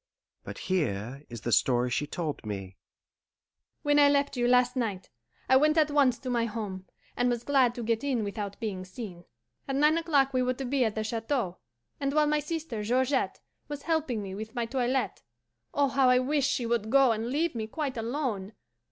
But here is the story she told me: "When I left you, last night, I went at once to my home, and was glad to get in without being seen. At nine o'clock we were to be at the Chateau, and while my sister Georgette was helping me with my toilette oh, how I wished she would go and leave me quite alone!